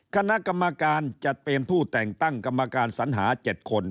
คณะกรรมการจัดเป็นผู้แต่งตั้งกรรมการสัญหา๗คน